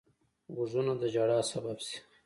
غوږونه د ژړا سبب شي